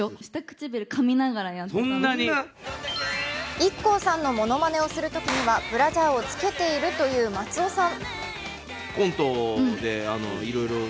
ＩＫＫＯさんのものまねをするときにはブラジャーをつけているという松尾さん。